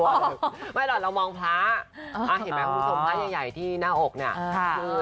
ว่าภาคแล่งพรสงค์พี่มห์แหลลาคนเห็นพ่อห์ห้องส่งใหญ่ที่หน้าออกเนี่ย